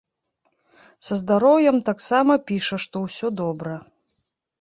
Са здароўем таксама піша, што ўсё добра.